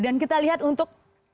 dan kita lihat untuk